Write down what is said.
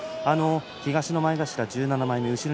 東の前頭１７枚目後ろ